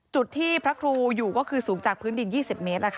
จุดที่พระครูอยู่ก็คือสูงจากพื้นดิน๒๐เมตร